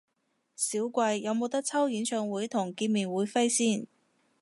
少貴，有無得抽演唱會同見面會飛先？